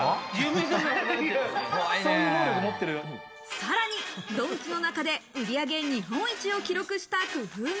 さらにドンキの中で売り上げ日本一を記録した工夫が。